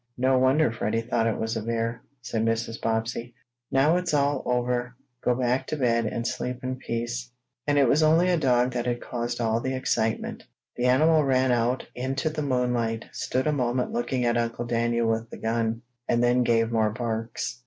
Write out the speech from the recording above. "No wonder Freddie thought it was a bear," said Mrs. Bobbsey. "Now it's all over, go back to bed, and sleep in peace." And it was only a dog that had caused all the excitement. The animal ran out into the moonlight, stood a moment looking at Uncle Daniel with the gun, and then gave more barks.